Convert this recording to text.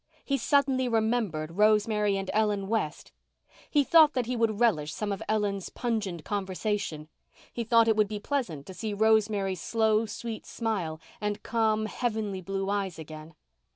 He suddenly remembered Rosemary and Ellen West. He thought that he would relish some of Ellen's pungent conversation. He thought it would be pleasant to see Rosemary's slow, sweet smile and calm, heavenly blue eyes again.